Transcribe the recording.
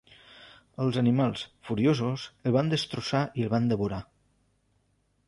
Els animals, furiosos, el van destrossar i el van devorar.